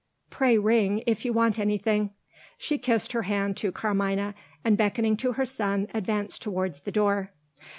Pray ring, if you want anything." She kissed her hand to Carmina, and, beckoning to her son, advanced towards the door.